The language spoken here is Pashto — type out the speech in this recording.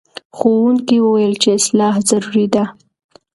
ښوونکي وویل چې اصلاح ضروري ده.